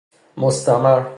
مستمر